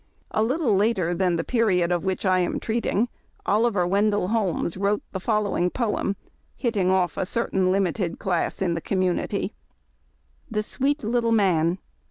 A little later than the period of winch I am treating, Oliver Wendell Holmes wrote the following poem, hitting off a certain limited class in the community :— THE JSWEET LITTLE MAX.